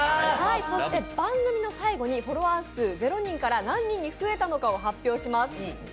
そして番組の最後にフォロワー数ゼロ人から何人に増えたのかを発表します。